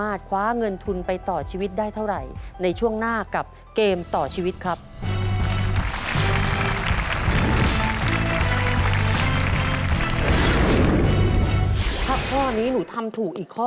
เรามีส่วนร่วมของครอบครัวด้วยนะลูก